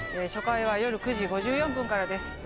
初回は夜９時５４分からです